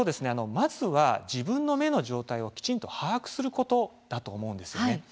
まずは、自分の目の状態をきちんと把握することだと思うんですね。